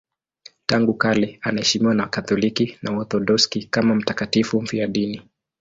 Tangu kale anaheshimiwa na Wakatoliki na Waorthodoksi kama mtakatifu mfiadini.